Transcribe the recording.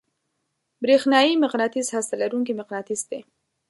برېښنايي مقناطیس هسته لرونکی مقناطیس دی.